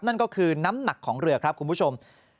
นั่นก็คือน้ำหนักของเรือครับคุณผู้ชม